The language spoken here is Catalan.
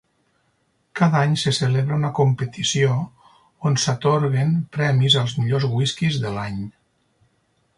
Cada any se celebra una competició on s'atorguen premis als millors whiskies de l'any.